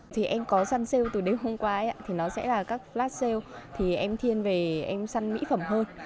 thì em có săn sale từ đêm hôm qua ấy ạ thì nó sẽ là các flat sale thì em thiên về em săn mỹ phẩm hơn